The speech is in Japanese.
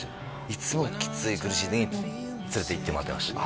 いつもきつい苦しい時に連れていってもらってました